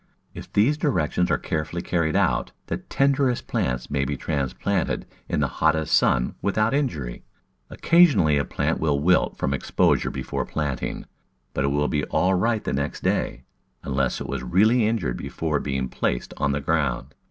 If these directions are carefully carried out the tenderest plants may be transplanted in the hottest sun without injury. Oc casionally a plant will wilt from exposure before plant ing, but it will be all right the next day — unless it was really injured before being placed in the ground.